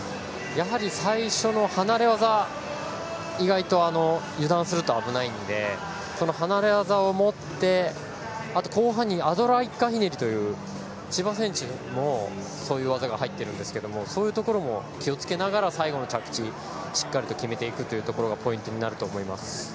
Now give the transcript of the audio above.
やはり、最初の離れ技意外と油断すると危ないので離れ技を持って、あと後半にアドラー１回ひねりという千葉選手も、そういう技が入っているんですけどそういうところも気を付けながら最後の着地をしっかり決めていくところがポイントになると思います。